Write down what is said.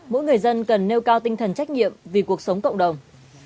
mỗi người dân cần nêu cao tinh thần trách nhiệm vì cuộc sống cộng đồng